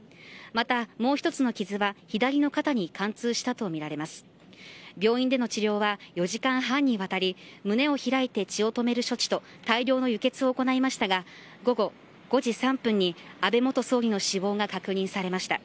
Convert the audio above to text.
またもう１つの傷は左の肩に貫通したとみられます病院での治療は４時間半にわたり胸を開いて血を止める処置と大量の輸血を行いましたが午後５時３分に安倍元総理の死亡が確認されました。